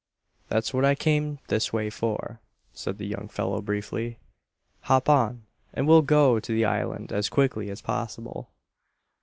"That's what I came this way for," said the young fellow briefly. "Hop on and we'll go to the island as quickly as possible."